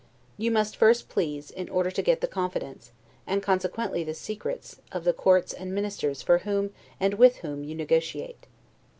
You must first please, in order to get the confidence, and consequently the secrets, of the courts and ministers for whom and with whom you negotiate.